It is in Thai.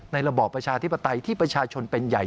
ระบอบประชาธิปไตยที่ประชาชนเป็นใหญ่